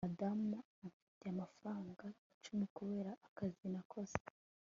madamu amfitiye amafaranga icumi kubera akazi nakoze